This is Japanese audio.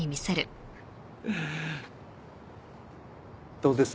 どうです？